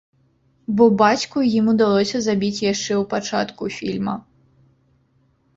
Бо бацьку ім удалося забіць яшчэ ў пачатку фільма.